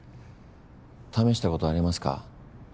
試したことありますか？